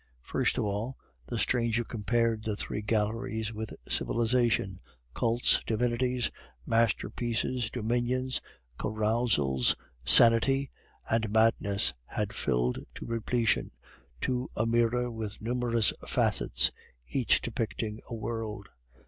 First of all, the stranger compared the three galleries which civilization, cults, divinities, masterpieces, dominions, carousals, sanity, and madness had filled to repletion, to a mirror with numerous facets, each depicting a world.